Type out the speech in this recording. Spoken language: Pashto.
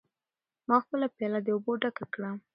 ما خپله پیاله د اوبو ډکه کړه.